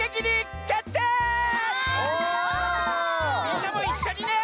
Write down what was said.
みんなもいっしょにね！